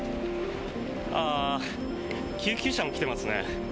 救急車も来ていますね。